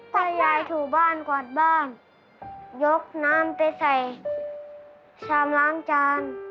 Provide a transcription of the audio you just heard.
ถ้ายายถูบ้านกวาดบ้านยกน้ำไปใส่ชามล้างจาน